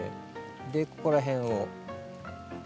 でここら辺を。